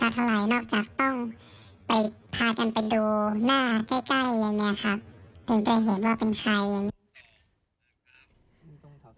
จนจะเห็นว่าเป็นใคร